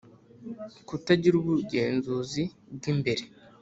Kutagira ubugenzuzi bw imbere